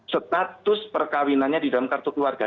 status perkawinannya di dalam kartu keluarga